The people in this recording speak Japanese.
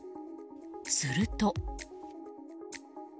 すると。